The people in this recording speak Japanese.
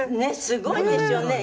すごいですよね。